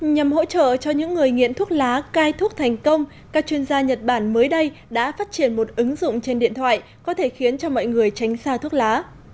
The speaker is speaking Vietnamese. nhằm hỗ trợ cho những người nghiện thuốc lá cai thuốc thành công các chuyên gia nhật bản mới đây đã phát triển một ứng dụng trên điện thoại có thể khiến cho mọi người tránh xa thuốc lá